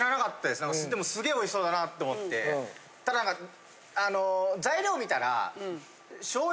でもすげえおいしそうだなと思ってただ何かあの。